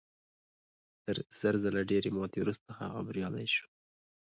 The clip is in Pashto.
تر زر ځله ډېرې ماتې وروسته هغه بریالی شو